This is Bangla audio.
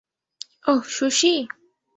অহ, সুশি!